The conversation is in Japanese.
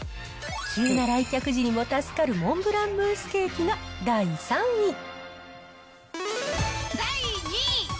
急な来客時にも助かるモンブランムースケーキが第３位。